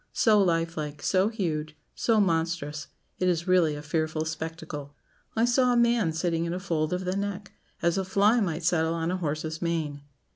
So life like, so huge, so monstrous; it is really a fearful spectacle. I saw a man sitting in a fold of the neck as a fly might settle on a horse's mane.